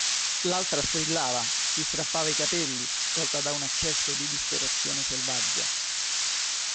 L'altra strillava, si strappava i capelli, colta da un accesso di disperazione selvaggia.